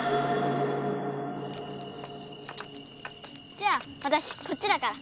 じゃあわたしこっちだから。